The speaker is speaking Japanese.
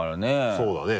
そうだね。